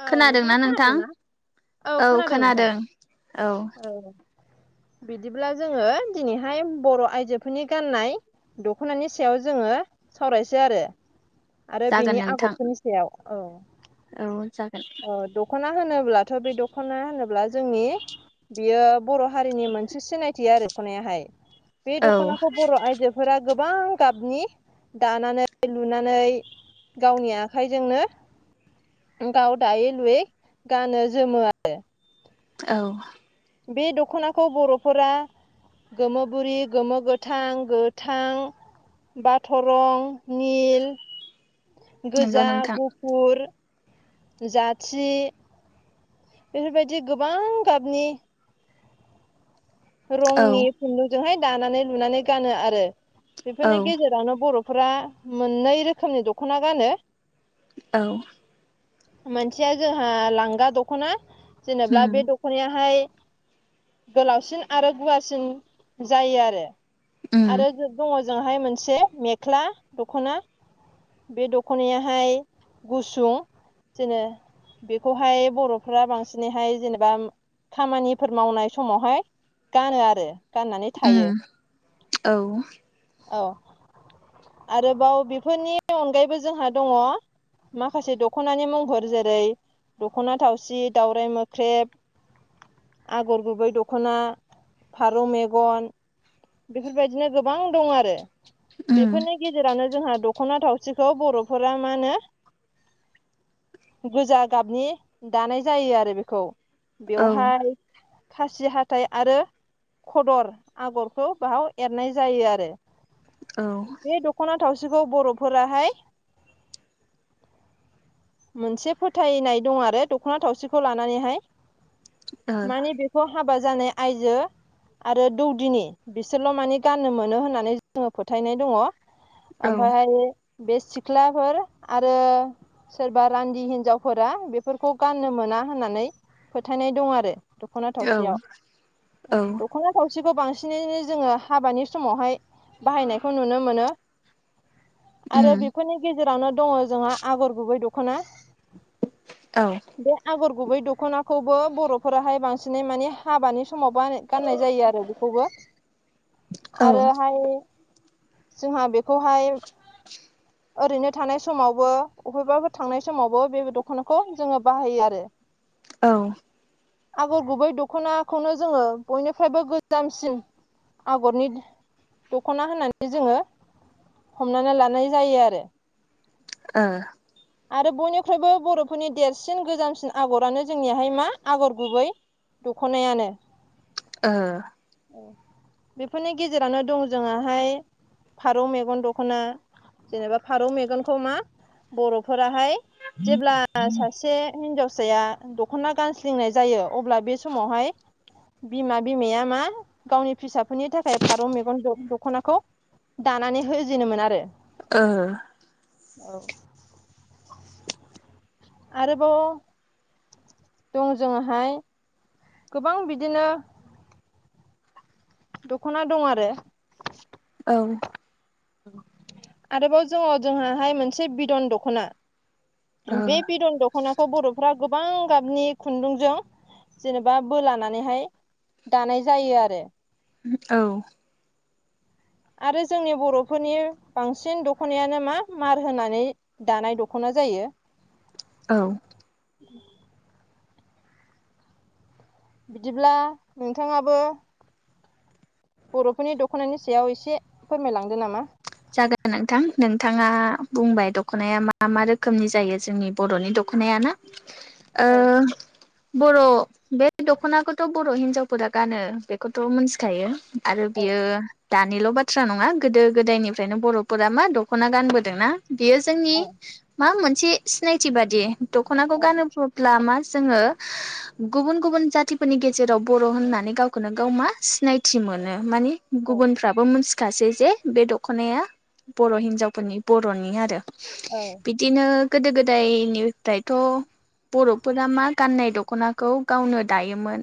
औ नोंथाङा खोनादोंना नोंथां? खोनादोंना? औ खोनादों औ। बिदिब्ला जोङो दिनैहाय बर' आयजोफोरनि गाननाय। दख'नानि सायाव जोङो सावरायसै आरो। आरो जागोन बेनि नोंथां आगरफोरनि सायाव औ। औ जागोन। अ दख'ना होनोब्लाथ' बे दख'ना होनोब्ला जोंनि बियो बर' हारिनि मोनसे सिनायथि आरो दख'नायाहाय बे औ दख'नाखौ बर' आइजो फोरा गोबां गाबनि दानानै लुनानै गावनि आखाइजोंनो गाव दायै लुयै गानो जोमो आरो। औ बे दख'नाखौ बर'फोरा गोमो बुरि, गोमो गोथां, गोथां बाथ रं निल, नंगौ गोजा, नोंथां गुफुर जाथि बेफोरबायदि गोबां गाबनि बेफोर औ रंनि खुन्दुंजोंहाय दानानै लुनानै गानो आरो। औ बेफोरनि गेजेरावनो बर' फोरा मोननै रोखोमनि दख'ना गानो। औ मोनसेया जोंहा लांगा दख'ना जेनेब्ला उम बे दख'नायाहाय गोलावसिन आरो गुवारसिन जायो आरो। उम आरो जोब दङ जोंहाय मोनसे मेख्ला दख'ना। बे दख'नायाहाय गुसुं जोङो बेखौहाय बर'फ्रा बांसिनैहाय जेनेबा खामानिफोर मावनाय समावहाय गानो आरो गाननानै थायो। उम औ औ। आरोबाव बेफोरनि अनगायैबो जोंहा दङ माखासे दख'नानि मुंफोर जेरै दख'ना थावसि, दावराय मोख्रेब, आगर गुबै दख'ना, फारौ मेगन बेफोरबायदिनो गोबां दं आरो। उम बेफोरनि गेजेरावनो जोंहा दख'ना थावसिखौ बर'फोरा मा होनो गोजा गाबनि दानाय जायो आरो बेखौ। औ बेवहाय खासि हाथाय आरो खदर आगरखौ बेहाव एरनाय जायो आरो। औ ओ बे दख'ना थावसिखौ बर'फोराहाय मोनसे फोथायनाय दं आरो दख'ना थावसिखौ लानानैहाय माने बे खौ हाबा जानाय आइजो आरो दौदिनि बिसोरल' माने गाननो मोनो होननानै जोङो फोथायनाय दङ। औ ओमफ्रायहाय बे सिख्लाफोर आरो सोरबा रान्दि हिन्जावफोरा बेफोरखौ गाननो मोना होननानै फोथायनाय दं आरो। दख'ना औ थावसियाव। औ दखना थावसिखौ बांसिनैनो जोङो हाबानि समावहाय बाहायनायखौ नुनो मोनो। आरो उम बेफोरनि गेजेरावनो दङ जोंहा आगर गुबै दख'ना। औ बे आगर गुबै दख'नाखौबो बर'फोराहाय बांसिनै माने हाबानि समाव बा गाननाय जायो आरो बेखौबो औ आरोहाय जोंहा बेखौहाय ओरैनो थानाय समावबो अबेबाबो थांनाय समावबो बे दख'नाखौ जोङो बाहायो आरो। औ आगर गुबै दख'नाखौनो जोङो बयनिफ्रायबो गोजामसिन आगरनि दख'ना होनानै जोङो हमनानै लानाय जायो आरो। ओ आरो बयनिख्रुइबो बर'फोरनि देरसिन गोजामसिन आगरानो जोंनिहाय मा आगर गुबै। दख'नायानो। ओ बेफोरनि गेजेरावनो दं जोंहा हाय फारौ मेगन दख'ना जेनेबा फारौ मेगनखौ मा बर'फोराहाय जेब्ला सासे हिनजावसाया दख'ना गानस्लिंनाय जायो अब्ला बे समावहाय बिमा बिमाया मा गावनि फिसाफोरनि थाखाय फारौ मेगन दख-दख'नाखौ दानानै होजेनोमोन आरो। ओ औ आरोबाव दं जोङाहाय गोबां बिदिनो दख'ना दं आरो। औ आरोबाव जों अ जोंहाहाय मोनसे बिद'न दख'ना। बे बिद'न दख ख'नाखौ बर'फ्रा गोबां गाबनि खुन्दुंजों जेनेबा बोलानानैहाय दानाय जायो आरो। औ आरो जोंनि बर'फोरनि बांसिन दख'नायानो मा मार होनानै दानाय दख'ना जायो। औ बिदिब्ला नोंथाङाबो बर'फोरनि दख'नानि सायाव एसे फोरमायलांदो नामा। जागोन नोंथां नोंथाङा बुंबाय दख'नाया मा मा रोखोमनि जायो जोंनि बर'नि दख'नाया ना? औ ओ बर' बे दख'नाखौथ' बर' हिनजावफोरा गानो बेखौथ' मोनथिखायो। आरो औ बियो दानिल' बाथ्रा नङा गोदो गोदायनि फ्रायनो बर'फोरा मा दख'ना गानबोदोंना बियो जोंनि औ मा मोनसे सिनायथि बादि दख'नाखौ औ गानो ब्ला मा जोङो गुबुन गुबुन जाथिफोरनि गेजेराव बर' होननानै गाव खौनो गाव मा सिनायथि मोनो मानि गुबुनफ्राबो मिथिखासै जे बे दख ख'नाया बर' हिनजावफोरनि बर'नि आरो। औ बिदिनो गोदो गोदायनिफ्रायथ' बर'फोरा मा गाननाय दख'नाखौ गावनो दायोमोन।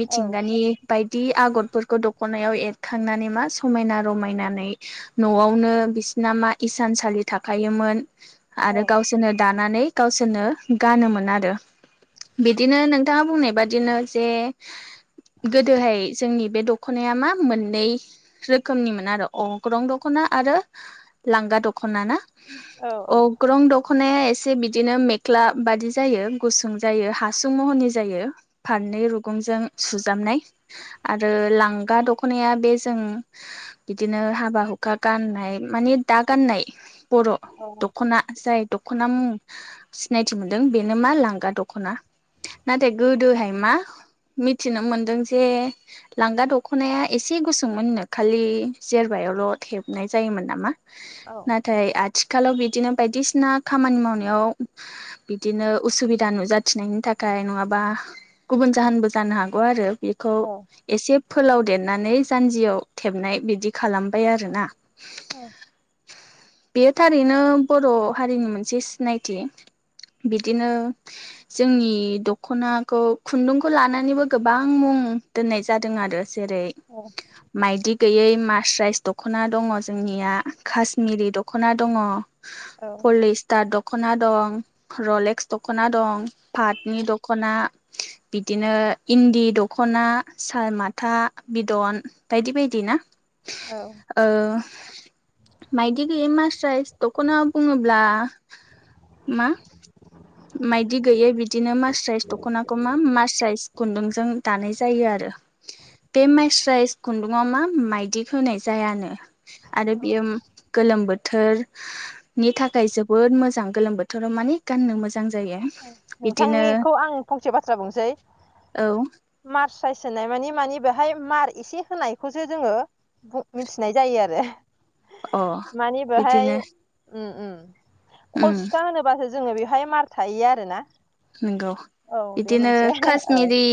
मिथिंगानि बायदि आग'रफोरखौ दख'नायाव एरखांनानै मा समायना रमायनानै न'आवनो बिसिना मा इसानसालि थाखोमोन औ आरो गावसो सोरनो दानानै गावसोरनो गानोमोन आरो। बिदिनो नोंथाङा बुंनाय बादिनो जे गोदोहाय जोंनि बे दख'नाया मा मोननै रोखोमनिमोन आरो अ ग्रं दख'ना आरो लांगा दख'ना ना औ अ ग्रं दख'नाया एसे बिदिनो मेख्ला बादि जायो गुसुं जायो हासुं महरनि जायो। फारनै रुगुंजों सुजाबनाय। आरो लांगा दख'नाया बे जों बिदिनो हाब बा हुखा गाननाय माने दा गाननाय बर' दख'ना जाय दख'ना मुं सिनायथि मोनदों बेनो मा लांगा दख'ना नाथाय गोदोहाय मा मिथिनो मोनदों जे लांगा दख'नाया एसे गुसुंमोननो खालि जेर बायावल' थेबनाय जायोमोन नामा नाथ थाय आथिखालाव बिदिनो बायदिसिना खामानि मावनायाव बिदिनो उसुबिदा नुजाथिनायनि थाखाय नङाबा गुबुन जाहोनबो जानो हागौ आरो बेखौ औ एसे फोलाव देरनानै जानजियाव थेबनाय बिदि खालामबाय आरोोना औ बेयो थारैनो बर' हारिनि मोनसे सिनायथि बिदिनो जोंनि दख'नाखौ खुन्दुंखौ लानानैबो गोबां मुं दोननाय जादों आरो जेरै औ माइदि गैयै म फार्स राइस दख'ना दङ जोंनिया कश्मिरि दख'ना दङ औ पलिस टात दख'ना दं रलेक्स दख'ना दं पाटनि दख'ना बिदिनो इन्दि दखना साल माथा बिदन बायदि बायदि ना औ मायदि गैय मास स दख'ना बुङोब्ला मा मायदि गैयै बिदिनो मास्राइस दख'नाखौ मा मासास्राइस खुन्दुंजों दानाय जायो जायो आरो बे माइस राइस खुन्दुंाव मा माइदि होनाय जायानो आरो बियो गोलोम बोथोरनि थाखाय जोबोद मोजां गोलोम बोथोर बोथोराव माने गाननो मोजां जायो बिदिनो नोंथांनिखौ आं फंसे बाथ्रा बुंसै औ मार स्रायसोनाय मानि मानिे बेहाय मार एसे होनायखौसो जोङो मिथिनाय जायो आरो अ मानिे बेहाय बिदिनो मम उम खल सुथा होनोबासो जोङो बेवहाय मार थाहयो आरो ना नंगौ बिदिनो औ कश्मिरि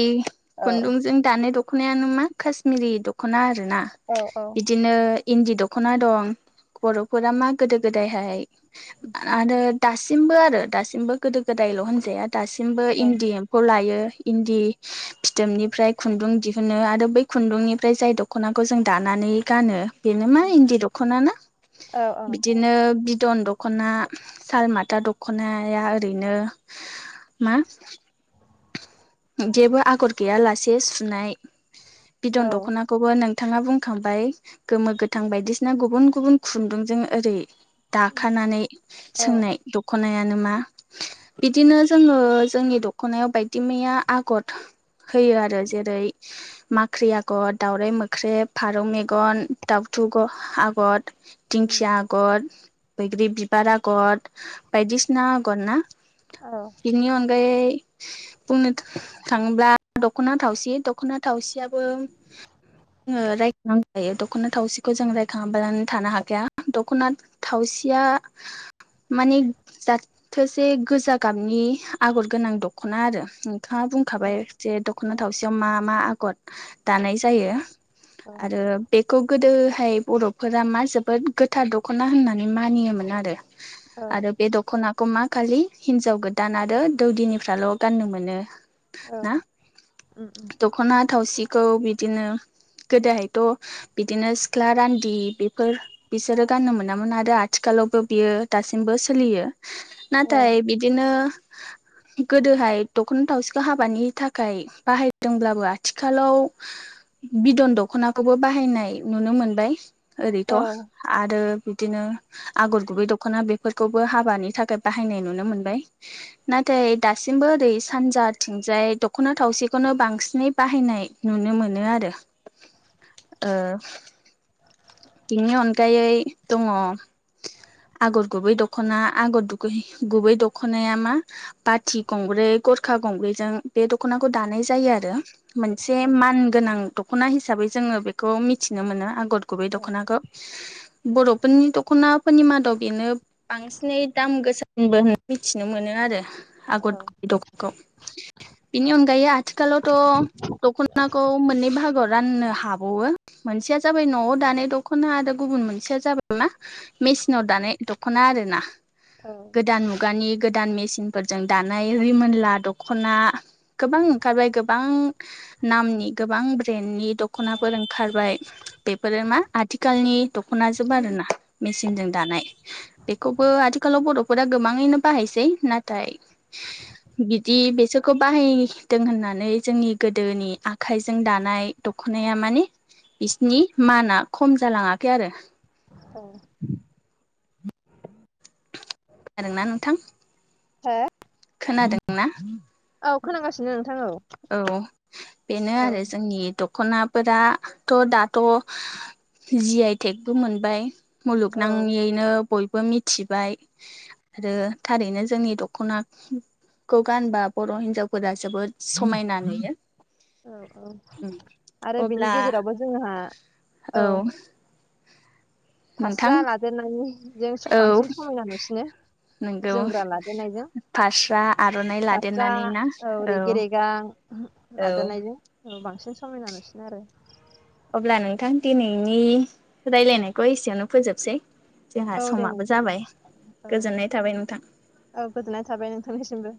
औ खुन्दुंजों दानाय दख दख'नायानो मा कश्मिरि दख'ना आर ना औ औ बिदिनो इन्दि दख'ना दं बर'फोरा मा गोदो गोदायहाय आरो दासिमबो आरो दासिमबो गोदो गोदायल' होनजाया दासिमबो औ इन्दि लायो इन्दि फिथोबनिफ्राय खुन्दुं दिहुनो आरो बै खुन्दुंनिफ्राय जाय डखर दख'नाखौ जों दानानै गानो बेनो मा इन्दि दख'ना ना औ औ नोंथां बिदिनो बिदन दखना दख'ना सालमाथा दख'नाया ओरैनो मा जेबो आगर गैया लासे सुनाय बिदन औ औ उम दख'ना खौबो नोंथाङा बुंखांबाय गोमो गोथां बायदिसिना गुबुन गुबुन खुन्दुंजों ओरै दाखानानै औ सोंनाय दख'नायानो मा बिदिनो जोङो जोंनि दख'नायाव बायदि मैया आगर होयो आरो जेरै माख्रि आगर दाावराइ मोख्रेब फारौ मेगन दाउथु आगर दिंखिया आगर बैग्रि बिबार आगर बायदिसिना आगर ना? औ बिनि अनगायै बुंनो थांङोब्ला दख'ना थावसि दख'ना थावसियाबो जों रायखांनांखायो दख'ना थावसिखौ जों रायखांङाबालानो थानो हाखाया दख'ना थावसिया माने जाथोसे गोजां गाबनि आगर गोनां दख'ना आरो नोंथांङा बुंखाबाय जे दख'ना थावसेयाव मा मा आगर दानाय जायो औ आरो बेखौ गोदोहाय बर'फोरा मा जोबोद गोथार दख'ना होननानै मानियोमोन आरो। औ आरो बे दखनाखौ मा खालि हिनजाव गोदान आरो दौदिनिफ्राल' गाननो मोनो औ ना? उम उम दख'ना थावसिखौ बिदिनो गोदोहायथ' बिदिनो सिख्ला रान्दि बेफोर बिसोरो गाननो मोनामोन आरो आथिखालावबो बियो दासिमबो सोलियो औ नाथाय बिदिनो गोदोहाय दख'ना थावसिखौ हाबानि थाखाय बाहायदोंब्लाबो आथिखालाव बिदन दखनाखौबो बाहायनाय नुनो मोनबाय ओरैथ' औ आरो बिदिनो आगर गुबै दख'ना बेफोरखौबो हाबानि थाखाय बाहायनाय नुनो मोनबाय। नाथाय दासिमबो ओरै सानजाथिंजाय दख'ना थावसिखौनो बांसिनै बाहायनाय नुनो मोनो आरो। [inaudible] ओ बिनि अनगायै दङ आगर गुबै दख'ना आगर दुगै गुबै दख खनाया मा बाथि गंब्रै गरखा गंब्रैजों बे दख'नाखौ दानाय जायो आरो। मोनसे औ मान गोनां दख'ना हिसाबै जोङो बेखौ मिथिनो मोनो आगर गुबै औ दख'नाखौ। बर'फोरनि दख'नाफोरनि मादाव बेनो बांसिनै दाम गोसाबो होनो मिथिनो मोनो आरो औ औ आगर गुबै दख'नाखौ। बेनि अनगायै आथिखालावथ' दख'नाखौ मोननै बाहागोआव राननो हाबावो। मोनसेया जाबाय न'आव दानाय दख खना आरो गुबुन मोनसेया जाबाय मा मेसिनाव दानाय दख'ना आरोना। औ गोदान मुगानि गोदान मेचिनफोरजों दानाय रिमोनला दख'ना गोबां ओंखारबाय गोबां नामनि गोबां ब्रेन्डनि दख'नाफोर ओंखारबाय बेफोरो मा आथिखालनि दखना जोबो आरोना मेचिनजों दानाय बेखौबो आथिखालाव बर'फोरा गोबां ओङैनो बाहायसै नाथाय [inaudible] बिदि बेसोरखौ बाहायदों होननानै जोंनि गोदोनि आखाइजों दानाय दख'नाया माने बिसिनि माना खम जालाङाखै आरो। औ। आरो ना नोंथां? हो? खोनादोंना? औ खोनांगासिनो नोंथां औ। औ बेनो औ आरो जोंनि दख'नाफोराथ' दाथ' जि आइ टेगबो मोनबाय औ मुलुगनाङैयैनो बयबो मिथिबाय। आरो थारैनो जोंनि दख'नाखौ गानबा बर' हिनजावफोरा जोबोद समायना नुयो। औ औ ओम आरो बिनि अब्ला गेजेरावबो जोंहा औ। फास्रा नोंथां लादेरनानै जों औ बांसिन समायना नुसिनो। नोंगौ जोमग्रा लादेनायजों फास्रा आर'नाइ फास्रा लादेरनानै ना औ रेगे रेगां। औ नाजानायजों औ बांसिन समायना नुसिनो आरो। अब्ला नोंथां दिनैनि रायलायनायखौ एसेयावनो फोजोबसै। जोंहा औ दे समाबो नोंथां दे जाबाय औ गोजोननाय थाबाय नोंथां। औ गोजोननाय थाबाय नोंथांनिसिमबो।